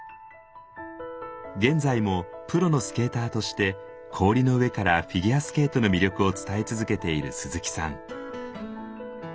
現在もプロのスケーターとして氷の上からフィギュアスケートの魅力を伝え続けている鈴木さん。